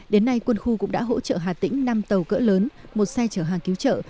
đến nay quân khu cũng đã hỗ trợ hà tĩnh năm tàu cỡ lớn một xe chở hàng cứu trợ